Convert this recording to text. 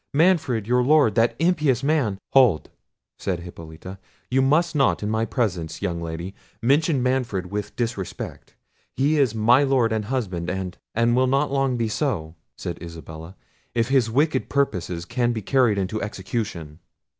Manfred, your lord, that impious man—" "Hold," said Hippolita; "you must not in my presence, young lady, mention Manfred with disrespect: he is my lord and husband, and—" "Will not long be so," said Isabella, "if his wicked purposes can be carried into execution."